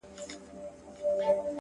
o تامي د خوښۍ سترگي راوباسلې مړې دي كړې؛